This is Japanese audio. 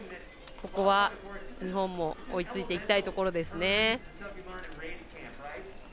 ここは、日本も追いついていきたいところですね。